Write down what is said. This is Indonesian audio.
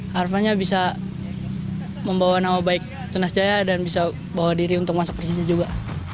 harapannya bisa membawa nama baik tunas jaya dan bisa bawa diri untuk masuk persisnya juga